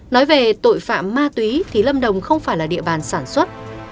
nói về tội phạm ma túy thì lâm đồng không phải là địa bàn sản xuất